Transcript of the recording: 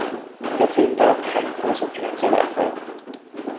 Der Film war kein großer finanzieller Erfolg.